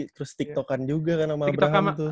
terus tik tokan juga kan sama abraham tuh